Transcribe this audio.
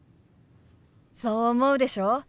そう思うでしょ？